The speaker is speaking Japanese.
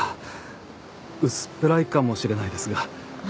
薄っぺらいかもしれないですが。